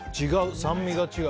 酸味が違う。